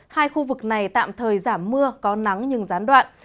hai khu vực này tạm thời giảm mưa có nắng nhưng gián đoạn